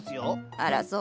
あらそう？